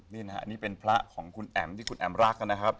นี่นะครับนี่เป็นพระของคุณแอ๋มที่คุณแอ๋มรักนะครับ